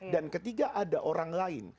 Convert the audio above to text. dan ketiga ada orang lain